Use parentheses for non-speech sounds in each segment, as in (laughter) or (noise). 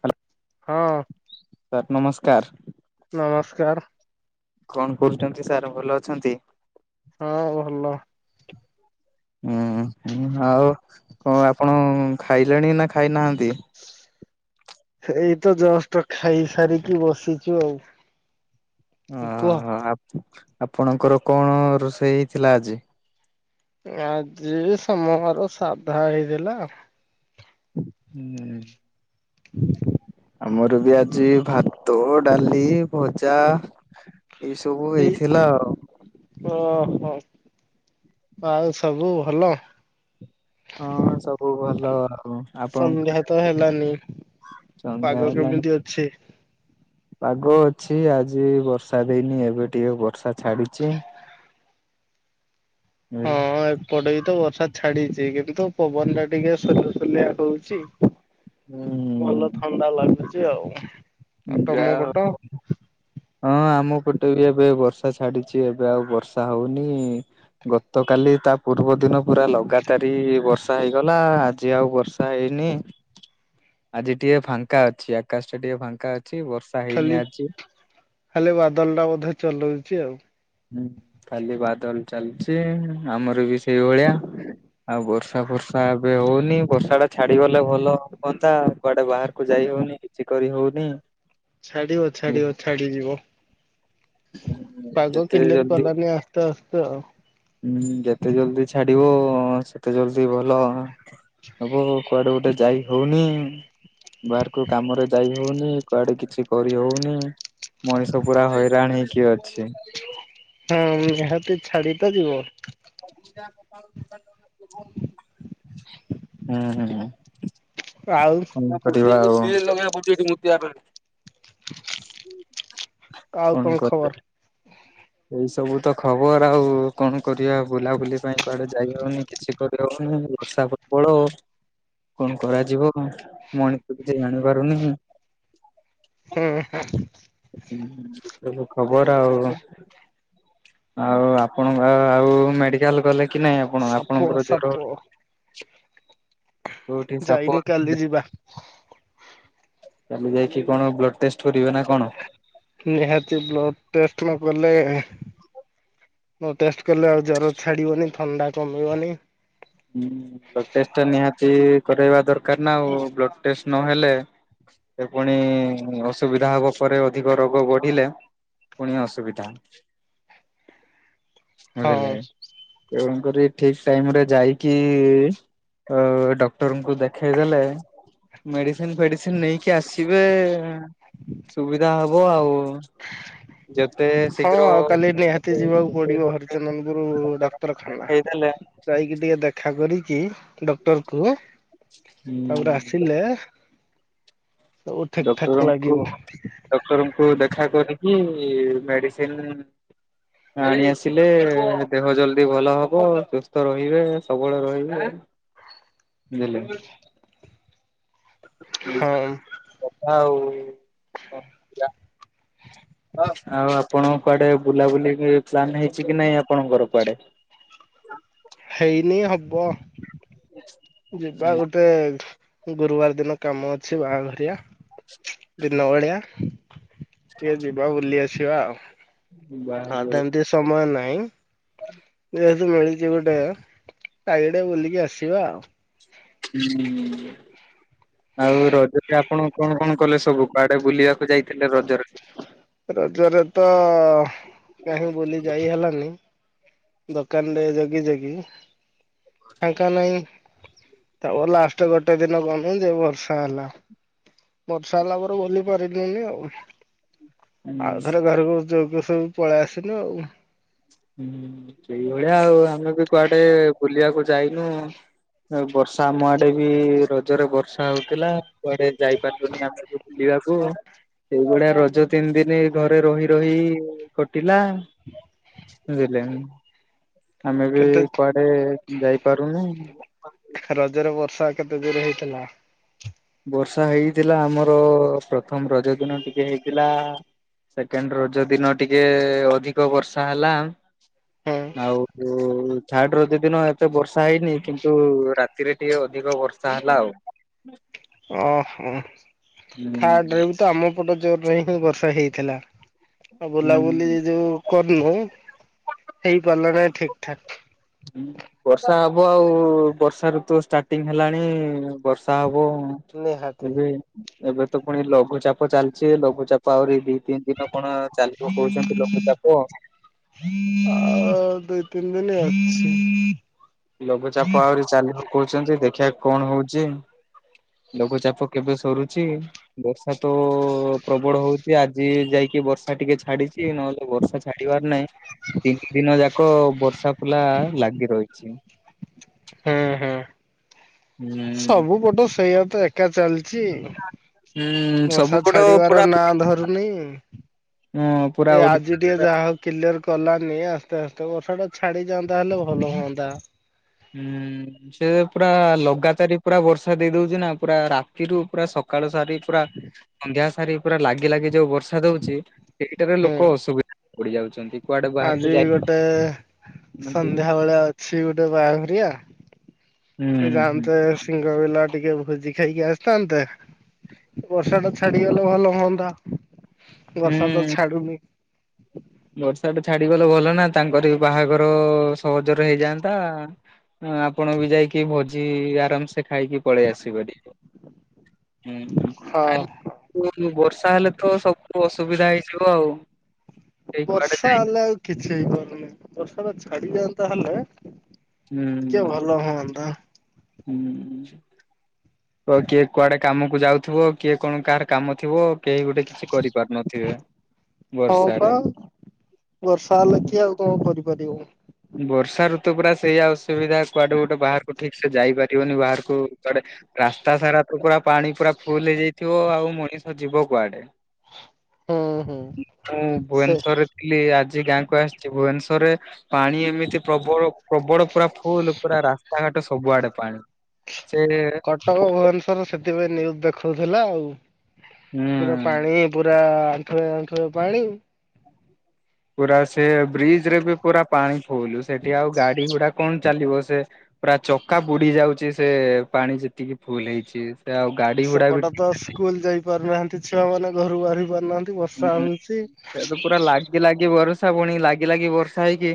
Hello. ହଁ। Sir ନମସ୍କାର। ନମସ୍କାର। କଣ କରହୁଛନ୍ତି ସାର୍ ଭଲ ଅଛନ୍ତି? ହଁ ଭଲ। ହୁଁଁ ଆଉ କଣ ଆପଣ ଖାଇଲେଣି ନା ଖାଇନାହାନ୍ତି। ଏଇତ ଜଷ୍ଟ ଖାଇ ସାରିକି ବସିଛୁ ଆଉ। କୁହ। ଓ ଆପଣଙ୍କର କଣ ରୋଷେଇ ହେଇ ଥିଲା ଆଜି। ଆଜି ସମର ସାଧା ହେଇଥିଲା। ହୁଁ। (inaudible) ଆମର ବି ଆଜି ଭାତ, ଡାଲି, ଭଜା। ଏଇ ସବୁ ଏଇ ହେଇଥିଲା ଆଉ। ଓହୋ ଆଉ ସବୁ ଭଲ। ହଁ ସବୁ ଭଲ ଆଉ ଆପଣ। ସନ୍ଧ୍ୟା ତ ହେଲାନି ପାଗ କେମିତି ଅଛି? ପାଗ ଅଛି ଆଜି ବର୍ଷା ଦେଇନି ଏବେ ଟିକେ ବର୍ଷା ଛାଡିଛି। (inaudible) ବୁଝିଲେ। ହଁ। ପଡେଇ ତ ବର୍ଷା ଛାଡିଛି କିନ୍ତୁ ପବନ ଟା ଟିକେ ସୁଲୁସୁଲିଆ ହଉଛି। ଭଲ ହୁଁ ଥଣ୍ଡା ଲାଗୁଛି ଆଉ ଆଉ ଯାହା ତମ ହଉ ପଟ। ହଁ ଆମ ଗଟେ ବି ଏବେ ବର୍ଷା ଛାଡିଛି ଏବେ ଆଉ ବର୍ଷା ହଉନି। ଗତକାଲି ତା ପୂର୍ବଦିନ ପୁରା ଲଗାତାରି ବର୍ଷା ହେଇଗଲା ଆଜି ଆଉ ବର୍ଷା ହେଇନି। ଆଜି ଟିକେ ଫାଙ୍କା ଅଛି ଆକାଶଟା ଟିକେ ଫାଙ୍କା ଅଛି ବର୍ଷା। ହେଇନି ଖାଲି ଆଜି। ଖାଲି ବାଦଲ ଟା ବୋଧେ ଚଲଉଛି ଆଉ। ହୁଁ ଖାଲି ବାଦଲ ଚାଲିଛି ଆମର ବି ସେଇଭଳିଆ। ଆଉ ବର୍ଷା ଫର୍ଷା ଏବେ ହଉନି ବର୍ଷା ଟା ଛାଡି ଗଲେ ଭଲ ହୁଅନ୍ତା। କୁଆଡେ ବାହାରକୁ ଯାଇ ହଉନି କିଛି କରି ହଉନି। ଛାଡିବ ଛାଡିବ ଛାଡିଯିବ ପାଗ ଯେତେ କ୍ଲିୟର କଲାନି ଆ। ଆସ୍ତେ-ଆସ୍ତେ। ହୁଁ ଯେତେ ଜଲଦି ଛାଡିବ ସେତେ ଜଲଦି ଭଲ ହବ। କୁଆଡେ ଗୋଟେ ଯାଇ ହଉନି। ବାହାର କୁ କାମ ରେ ଯାଇ ହଉନି କୁଆଡେ କିଛି କରି ହଉନି। ମଣିଷ ପୁରା ହଇରାଣ ହେଇକି ଅଛି। ହୁଁ ନିହାତି ଛାଡି ତ ଯିବ। ହୁଁ-ହୁଁ। ଆଉ। କଣ କରିବା ଆଉ। ଆଉ କଣ କରିବା ଖବର? ଏଇ ସବୁ ତ ଖବର ଆଉ କଣ କରିବା। ବୁଲା ବୁଲି ପାଇଁ କୁଆଡେ ଯାଇ ହଉନି କିଛି କରି ହଉନି ବର୍ଷା ବଳ କଣ କରାଯିବ କଣ ମଣିଷ କିଛି ଜାଣିପାରୁନି। ହୁଁ-ହୁଁ। ହୁଁ ସବୁ ଖବର ଆଉ। ଆଉ ଆପଣଙ୍କ ଆଉ ମେଡିକାଲ୍ ଗଲେ କି ନାଇଁ ଆପଣ ସାପ ଆପଣଙ୍କର ସାପ ଜର କୋଉଠି ସାପ ଯାଇନି କାଲି (unintelligible) ଯିବା କାଲି ଯାଇକି କଣ ବ୍ଲଡ଼ ଟେଷ୍ଟେ କରିବେ ନା କଣ। ନିହାତି ବ୍ଲଡ଼ ଟେଷ୍ଟେ ନ କଲେ ମୁଁ ଟେଷ୍ଟ କଲେ ଆଉ ଜର ଛାଡିବନି ଥଣ୍ଡା କମିବନି। ହୁଁ ବ୍ଲଡ଼ ଟେଷ୍ଟଟା ନିହାତି କରେଇବା ଦରକାର୍ ନା ଆଉ ବ୍ଲଡ଼ ଟେଷ୍ଟେ ନହେଲେ ସେ ଫୁଣି ଅସୁବିଧା ହବ ପରେ ଅଧିକ ରୋଗ ବଢ଼ିଲେ। ପୁଣି ଅସୁବିଧା। ହଁ ବୁଝିଲେ ତେଣୁ କରି ଠିକ୍ ଟାଇମରେ ଯାଇ କି (unintelligible) ଡକ୍ଟରଙ୍କୁ ଦେଖେଇ ଦେଲେ ମେଡିସିନ୍ ଫେଡିସିନ୍ ନେଇ କି ଆସିବେ ସୁବିଧା ହବ ଆଉ। ଯେତେ ଶୀଘ୍ର ଟିକେ ଯିବାକୁ ପଡିବ ହରିଚନ୍ଦନପୁରୁ ଡାକ୍ତରଖାନା। ଦେଖେଇଦେଲେ ଯାଇକି ଟିକେ ଦେଖା କରିକି ଡ଼କ୍ଟରକୁ ତାପରେ ଆସିଲେ ସବୁ ଠିକ୍ ଠାକ୍ ଲାଗିବ। ଡ଼କ୍ଟରଙ୍କୁ ଦେଖା କରିକି ମେଡିସିନ୍ ଆଣି ଆସିଲେ ଦେହ ଜଲଦି ଭଲ ହବ ସୁସ୍ଥ ରହିବ (unintelligible) ରହିବ। (unintelligible) ହଁ କଥା ଆଉ କଣ ଯା। ଆଉ ଆପଣଙ୍କ କୁଆଡେ ବୁଲାବୁଲି (unintelligible) ପ୍ଲାନ୍ ହେଇଛି କି ନାଇଁ ଆପଣଙ୍କର କୁଆଡେ? ହେଇନି ହବ। ଯିବା ଗୋଟେ ଗୁରୁବାର ଦିନ କାମ ଅଛି ବାହାଘରିଆ। ଦିନ ଭଳିଆ ଟିକେ ଯିବା ବୁଲି ଆସିବା ଆଉ। ଆଉ ତ ହୁଁ ଏମିତି ସମୟ ନାଇଁ। ଯେହେତୁ ମିଳିଚି ଗୋଟେ ଚାରିଆଡ଼େ ବୁଲିକି ଆସିବା ଆଉ। ହୁଁ। ଆଉ ରଜରେ ଆପଣ କଣକଣ କଲେ ସବୁ କୁଆଡେ ବୁଲିବାକୁ ଯାଇଥିଲେ ରଜରେ? ରଜରେ ତ କାହିଁ ବୁଲି ଯାଇ ହେଲାନି। ଦୋକାନରେ ଜଗିଜଗି ଫାଙ୍କା ନାହିଁ। ତା ପରେ ଲାଷ୍ଟ୍ ଗୋଟେ ଦିନ ଗନୁ ଯେ ବର୍ଷା ହେଲା। ବର୍ଷା ହେଲା ପରେ ବୁଲି ପାରିଲିନି ଆଉ। ହୁଁ ଆଉଥରେ ଘରକୁ (unintelligible) ସବୁ ପଳେଇ ଆସିନୁ ଆଉ। ହୁଁ ସେଇଭଳିଆ ଆଉ ଆମେ ବି କୁଆଡେ ବୁଲିବାକୁ ଯାଇନୁ। ଆଉ ବର୍ଷା ଆମ ଆଡେ ବି ରଜରେ ବର୍ଷା ହଉଥିଲା କୁଆଡେ ଯାଇପାରିଲୁନି ଆମେ ବି। ବୁଲିବାକୁ ସେଇଭଳିଆ ରଜ ତିନି ଦିନି ଘରେ ରହିରହି କଟିଲା। (unintelligible) ଆମେ ବି କେତେ କୁଆଡେ ଯାଇପାରୁନୁ। ରଜରେ ବର୍ଷା କେତେ ଜୁରେ ହଉଥିଲା? ବର୍ଷା ହେଇଥିଲା ଆମର ପ୍ରଥମ ରଜ ଦିନ ଟିକେ ହେଇଥିଲା ସେକେଣ୍ଡ ରଜ ଦିନ ଟିକେ ଅଧିକ ବର୍ଷା ହେଲା। ହୁଁ ଆଉ ଉ ଥାର୍ଡ଼ ରଜ ଦିନ ଏତେ ବର୍ଷା ହେଇନି କିନ୍ତୁ ରାତିରେ ଟିକେ ଅଧିକ ବର୍ଷା ହେଲା ଆଉ। ଓହୋ, ଥାର୍ଡରେ ହୁଁ ବି ତ ଆମ ପଟ ଜୋରରେ ହିଁ ବର୍ଷା ହେଇଥିଲା। ଆଉ ହୁଁ ବୁଲାବୁଲି ଯୋଉ କରନୁ, ହେଇପାରିଲା ନାହିଁ ଠିକ ଠାକ। ହୁଁ। ବର୍ଷା ହବ ଆଉ, ବର୍ଷା ଋତୁ ଷ୍ଟାର୍ଟିଂ ହେଲାଣି ବର୍ଷା ହବ। ନିହାତି। ଏବେ। ଏବେ ତ ପୁଣି ଲଘୁଚାପ ଚାଲିଛି, ଲଘୁଚାପ ଆହୁରି ଦି ତିନି ଦିନ କଣ ଚାଲିବ କହୁଛନ୍ତି ଲଘୁଚାପ। ଆଉ ଦୁଇ ତିନି ଦିନି ଅଛି। ଲଘୁଚାପ ଆହୁରି ଚାଲିବ କହୁଛନ୍ତି, ଦେଖିବା କଣ ହଉଛି। ଲଘୁଚାପ କେବେ ସରୁଛି? ବର୍ଷା ତ ପ୍ରବଳ ହଉଛି, ଆଜି ଯାଇକି ବର୍ଷା ଟିକେ ଛା ଛାଡିଛି ନହେଲେ ବର୍ଷା ଛାଡିବାର ନାହିଁ। ତିନି ଦିନ ଯାକ ବର୍ଷା ଫୁଲା ଲାଗି ରହିଛି। ହଁ ହଁ। ହୁଁ ସବୁ ପଟ ସେଇଆ ତ ଏ ଏକା ଚାଲିଛି, ହୁଁ ସବୁ ବର୍ଷା ପଟ ଛାଡିବାର ପୁରା ନାଁ ଧରୁନି। ପୁରା ଏ ଆଜି ଟିକେ ଓଡିଶା ଯାହା ହଉ କିଲୟର କଲାନି ଆସ୍ତେ ଆସ୍ତେ ବର୍ଷା ଟା ଛାଡି ଯାନ୍ତା ହେଲେ ଭଲ ହୁଅନ୍ତା। ହୁଁ। ସେ ପୁରା ଲଗାତାରି ପୁରା ବର୍ଷା ଦେଇ ଦଉଛି ନା ପୁରା ରାତିରୁୁ ପୁରା ସକାଳୁ ସାରି ପୁରା ସନ୍ଧ୍ୟା ସାରି ପୁରା ଲାଗି ଲାଗି ଯୋଉଁ ବର୍ଷା ଦଉଛି ସେଇଟାରେ ହୁଁ ଲୋକ ଅସୁବିଧା ରେ ପଡିଯାଉଛନ୍ତି। ଆଜି ଗୋଟେ ପାରୁନାହାନ୍ତି ସନ୍ଧ୍ୟା ବେଳେ ଅଛି ଗୋଟେ ବାହାଘରିଆ। ହୁଁ। ହୁଁ ଯାଆନ୍ତେ ସିଙ୍ଗ ପିଲା ଟିକେ ଭୋଜି ଖାଇକି ଆସି ଥାନ୍ତେ। ବର୍ଷା ଟା ଛାଡିଗଲେ ଭଲ ହୁଅନ୍ତା, ବର୍ଷା ତ ହୁଁ ଛାଡୁନି। ବର୍ଷା ଟା ଛାଡିଗଲେ ଭଲ ନା ତାଙ୍କରି ବି ବାହାଘର ସହଜରେ ହେଇଯାଆନ୍ତା। ହଁ, ଆପଣ ବି ଯାଇକି ଭୋଜି ଆରାମସେ ଖାଇକି ପଳେଇ ଆସିବେଣି। ହୁଁ, ହଁ। କାଲି (unintelligible) ବର୍ଷା ହେଲେ ତ ସବୁ ଅସୁବିଧା ହେଇଯିବ ଆଉ। କେହି କୁଆଡେ ବର୍ଷା ହେଲେ ଆଉ କିଛି ହେଇପାରୁନି ବର୍ଷା ଟା ଛାଡିଯାଆନ୍ତା ହେଲେ ଟିକେ ଭଲ ହୁଅନ୍ତା। ହୁଁ ହୁଁ। ଓ କିଏ କୁଆଡେ କାମକୁ ଯାଉଥିବ, କିଏ କଣ କାହାର କାମ ଥିବ, କେହି ଗୋଟେ କିଛି କରିପାରୁନଥିବେ, ହଁ ପା ବର୍ଷାରେ, ବର୍ଷା ଉଁ ହେଲେ କିଏ ଆଉ କଣ କରିପାରିବେବୋ? ବର୍ଷା ଋତୁ ପୁରା ସେଇଆ ଅସୁବିଧା, କୁଆଡେ ଗୋଟେ ବାହାରକୁ ଠିକ ସେ ଯାଇ ପାରିବନି, ବାହାରକୁ କୁଆଡେ। ରାସ୍ତା ସାରା ତ ପୁରା ପାଣି ପୁରା ଫୁଲ ହେଇଯାଇଥିବ, ଆଉ ମଣିଷ ଯିବ କୁଆଡେ। ହୁଁ ହୁଁ ମୁଁ ସେ ଭୁବନେଶରରେ ଥିଲି ଆଜି ଗାଁକୁ ଆସିଛି, ଭୁବନେଶ୍ୱରରେ ପାଣି ଏମିତି ପ୍ରବଳ, ପ୍ରବଳ ପୁରା ଫୁଲ, ପୁରା ରାସ୍ତାଘାଟ ସବୁଆଡେ ପାଣି। ସେ କଟକ ଭୁବନେଶ୍ଵର ସେଥିପାଇଁ ନ୍ୟୁଜୁ ଦେଖଉଥିଲା ଆଉ। ହୁଁ। ତ ପାଣି ପୁରା ଆଣ୍ଠୁଏ, ଆଣ୍ଠୁଏ ପାଣି। ପୁରା ସେ ବ୍ରିଜ ରେ ବି ପୁରା ପାଣି ଫୁଲୁ ସେଠି ଆଉ ଗାଡି ଗୁଡା କଣ ଚାଲିବ, ସେ ପୁରା ଚକା ବୁଡି ଯାଉଛି, ସେ ପାଣି ଯେତିକି ଫୁଲ ହେଇଛି, ସେ ଆଉ ଗାଡି ଗୁଡା ବି ସେପଟେ ତ ସ୍କୁଲ ଯାଇ ପାରୁନାହାନ୍ତି, ଛୁଆ ମାନେ ଘରୁ ବାହାରି ପାରୁନାହାନ୍ତି। ବର୍ଷା ହୁଁ ହଉଚି। ସେ ତ ପୁରା ଲାଗି ଲାଗି ବରସା ପୁଣି ଲାଗି ଲାଗି ବର୍ଷା ହେଇକି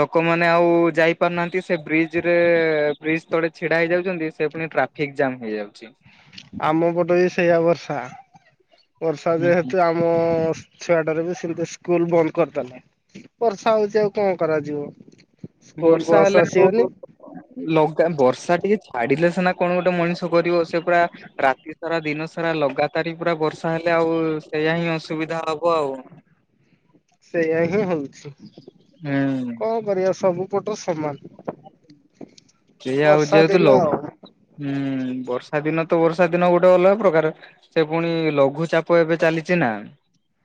ଲୋକମାନେ ଆଉ ଯାଇ ପାରୁନାହାନ୍ତି ସେ ବ୍ରିଜ ରେ ବ୍ରିଜ ତଳେ ଛିଡା ହେଇଯାଉଛନ୍ତି ସେ ପୁଣି ଟ୍ରାଫ ଠିକ୍ ଜାମ୍ ହେଇଯାଉଛି। ଆମ ପଟ ବି ସେଇଆ ବର୍ଷା ବର୍ଷା ହୁଁ ହୁଁ ଯେହେତୁ ଆ ମୋ ଛୁଆଟାର ବି ସେମିତି ସ୍କୁଲ ବନ୍ଦ କରିଦେଲେ। ବର୍ଷା ହଉଛି ଆଉ କଁ କରାଯିବ। ସ୍କୁଲ ବର୍ଷା ବସ୍ ହେଲେ ଆସିବନି। ଆଉ ଲଗା ବର୍ଷା ଟିକେ ଛାଡିଲେ ସିନା କଣ ଗୋଟେ ମଣିଷ କରିବ ସେ ପୁରା ରାତି ସାରା ଦିନ ସାରା ଲଗାତ ତାରି ପୁରା ବର୍ଷା ହେଲେ ଆଉ ସେଇଆ ହିଁ ଅସୁବିଧା ହବ ଆଉ। ସେଇୟା ହିଁ ହଉଛି, ହୁଁ କଁ କରିବା ସବୁ ପଟ ସମାନ। ସେ ଆଉ ବର୍ଷା ଯେହେତୁ ଦିନ ଲ ଆଉ। ହୁଁ ବର୍ଷା ଦିନ ତ ବର୍ଷା ଦିନ ଗୋଟେ ଅଲଗା ପ୍ରକାର। ସେ ପୁଣି ଲଘୁଚାପ ଏବେ ଚାଲିଛି ନା।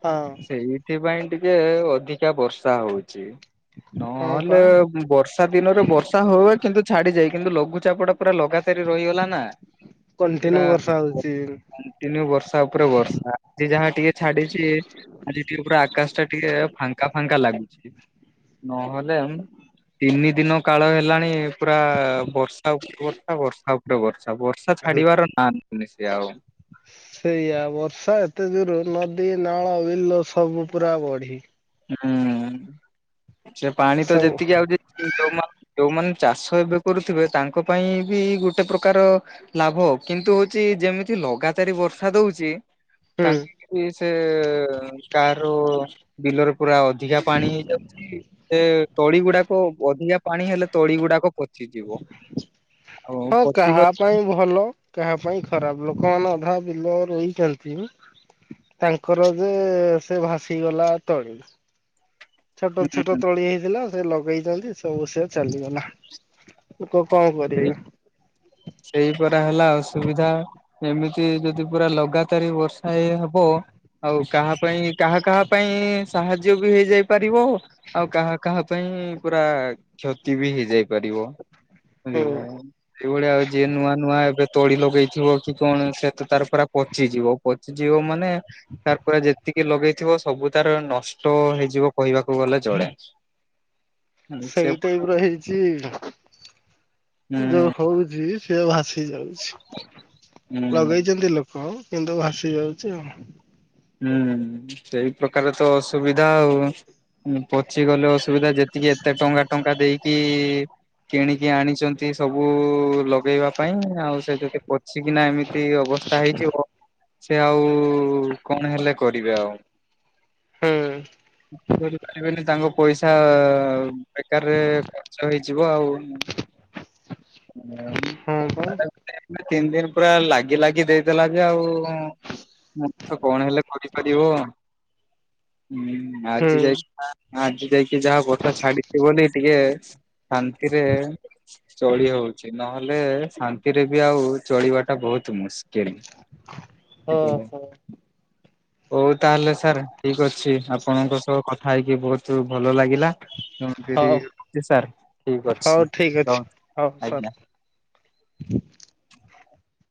ହଁ। ସେଇଥିପାଇଁ ଟିକେ ଅଧିକା ବର୍ଷା ହଉଚି, ହଁ ପା ନହେଲେ ବର୍ ବର୍ଷା ଦିନରେ ବର୍ଷା ହଉଏ କିନ୍ତୁ ଛାଡିଯାଏ କିନ୍ତୁ ଲଘୁଚାପ ଟା ପୁରା ଲଗାତାରି ରହିଗଲା ନା। କଣ୍ଟିନ୍ୟୁ ବର୍ଷା ପୁରା ହଉଚି। କଣ୍ଟିନ୍ୟୁ ବର୍ଷା ଉପରେ ବର୍ଷା ଆଜି ଯାହା ଟିକେ ଛାଡିଚି। ଆଜି ଟିକେ ପୁରା ଆକାଶ ଟା ଟିକେ ଫାଙ୍କା ଫାଙ୍କା ଲାଗୁଚି। ନହେଲେ ମ ତିନି ଦିନ କାଳ ହେଲାଣି ପୁରା ବର୍ଷା ଉପରେ ବର୍ଷା ବର୍ଷା ଉପରେ ବର୍ଷା, ବର୍ଷା ଛାଡିବାର ନା ନଉନି ସିଏ ଆଉ। ସେଇଆ ବର୍ଷା ଏତେ ଜୋର ନଦୀ ନାଳ ବିଲ ସବୁ ପୁରା ବଢି। ହୁଁ ସେ ପାଣି ତ ସବୁ ଯେତିକି ଆଉଚି ଯୋଉମା ଯୋଉମାନେ ଚାଷ ଏବେ କରୁଥିବେ ତାଙ୍କ ପାଇଁ ବି ଗୋଟେ ପ୍ରକାର ଲାଭ କିନ୍ତୁ ହଉଛି ଯେମିତି ଲଗାତାରି ବର୍ଷା ଦଉଚି। ହୁଁ। ତାଙ୍କୁ ହି ସେ କାରରୁ ବିଲରେ ପୁରା ଅଧିକା ପାଣି ହେଇ ଯାଉଛି। ସେ ତଳି ଗୁଡା କ ଅଧିକା ପାଣି ହେଲେ ତଳି ଗୁଡାକ ପଚିଯିବ ଆଉ ହଁ କାହା ପଚିଗ ପାଇଁ ଭଲ କାହା ପାଇଁ ଖରାପ ଲୋକମାନେ ଅଧା ବିଲ ରୋଇ ଚନ୍ତି ତାଙ୍କର ଯେ ସେ ଭାସିଗଲା ତଳି। ଛୋଟ ଛୋଟ ହୁଁ ତଳି ହେଇଥିଲା ସେ ଲଗେଇଚନ୍ତି ସବୁ ସେ ଚାଲି ଗଲା ଲୋକ କଁ ସେଇ କରିବା। ସେଇ ପରା ହେଲା ଅସୁବିଧା। ଏମିତି ଯଦି ପୁରା ଲଗାତାରି ବର୍ଷା ଇ ହବ ଆଉ କାହା ପାଇଁ କାହା କାହା ପାଇଁ ସାହାଯ୍ୟ ବି ହେଇଯାଇ ପାରିବ। ଆଉ କାହା କାହା ପାଇଁ ପୁରା କ୍ଷତି ବି ହେଇଯାଇ ପାରିବ। ହୁଁ ବୁଝିଲେ ଏଇଭଳିଆ ହୋଉ ଯିଏ ନୂଆ ନୂଆ ଏବେ ତଳି ଲଗେଇଥିବ କି କଣ ସେ ତ ତାର ପୁରା ପଚିଯିବ ପଚିଯିବ ମାନେ ତାର ପୁରା ଯେତିକି ଲଗେଇଥିବ ସବୁ ତାର ନଷ୍ଟ ହେଇଯିବ କହିବାକୁ ଗଲେ ଚଳେ। ହୁଁ ସେ ସେଇ ଟାଇପ ହୁଁ ର ହେଇଛି। ଯୋଉ ହଉଛି ସିଏ ଭାସି ଯାଉଛି ହୁଁ ଲଗେଇଛନ୍ତି ଲୋ ହଁ କିନ୍ତୁ ଭାସି ଯାଉଛି ଆଉ। ହୁଁ ସେଇ ପ୍ରକାର ତ ଅସୁବିଧା ଆଉ ପଚିଗଲେ ଅସୁବିଧା ଯେ ଟିକେ ଏତେ ଟଙ୍କା ଟଙ୍କା ଦେଇକି କିଣିକି ଆଣିଚନ୍ତି ସବୁ ଲଗେଇବା ପାଇଁ ଆଉ ସେ ଯଦି ପଚିକିନା ଏମିତି ଅବସ୍ଥା ହେଇଯିବ ସେ ଆଉ କଣ ହେଲେ କରିବେ ଆଉ ହୁଁ କିଛି କରିପାରିବେନି ତାଙ୍କ ପଇସା ବେକାରରେ ଖର୍ଚ୍ଚ ହେଇଯିବ ଆଉ। ହ ହଁ ପା (unintelligible) ତିନି ଦିନ ପୁରା ଲାଗି ଲାଗି ଦେଇଦେଲା ଯେ ଆଉ। ତ କଣ ହେଲେ କରିପାରିବ ହୁଁ ଆଜି ଯାଇକି ଆଜି ଯାଇ ଯାହା ବଥା ଛାଡିଛି ବୋଲି ଟିକେ ଶାନ୍ତିରେ ଚଳି ହଉଛି ନହେଲେ ଶାନ୍ତିରେ ବି ଆଉ ଚଳିବାଟା ବହୁତ ମୁସ୍କିଲ। (inaudible) ହଁ ହଁ। ହଉ ତାହେଲେ ସାର୍ ଠିକ ଅଛି ଆପଣଙ୍କ ସହ କଥା ହେଇକି ବହୁତୁ ଭଲ ଲାଗିଲା। (unintelligible) ହଉ ହୋଉ ସାର୍ ଠିକ ହଉ ଅଛି ଠିକ ଅଛି ହଉ ରହିଲି ସର। ଆଜ୍ଞା।